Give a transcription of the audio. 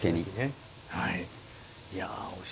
はい。